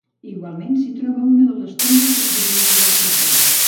Igualment, s'hi troba una de les tombes atribuïdes al profeta.